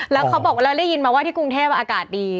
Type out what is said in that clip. แล้วเขาบอกว่าเราได้ยินมาว่าที่กรุงเทพอากาศดี